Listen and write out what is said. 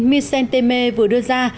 michel temer vừa đưa ra